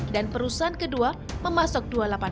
dan perusahaan kedua memasuk dua puluh delapan